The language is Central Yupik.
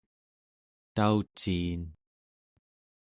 tauciin